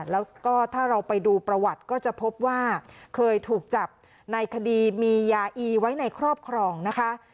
แล้วก็ถ้าเราไปดูประวัติก็จะพบว่าเคยถูกจับในคดีมียาอีไว้ในครอบครองนะคะ